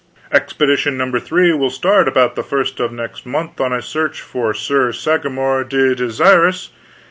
Expedition No. 3 will start adout the first of mext month on a search f8r Sir Sagramour le Desirous.